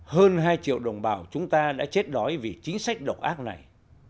hơn hai triệu đồng bào chúng ta đã chết đói vì chính sách độc ác này